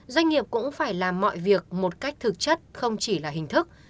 doanh nghiệp cũng phải làm mọi việc một cách thực chất không chỉ là hình thức